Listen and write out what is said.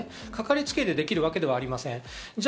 かかりつけ医でできるわけではありません。